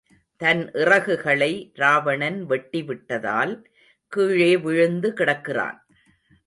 தன் இறகுகளை ராவணன் வெட்டி விட்டதால் கீழே விழுந்து கிடக்கிறான்.